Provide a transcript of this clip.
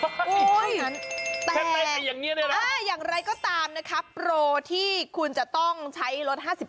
โอ้โหอย่างไรก็ตามนะครับโปรที่คุณจะต้องใช้ลด๕๓